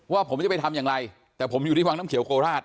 ว่าผมจะไปทำอย่างไรแต่ผมอยู่ที่วังน้ำเขียวโคราช